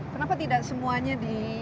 kenapa tidak semuanya di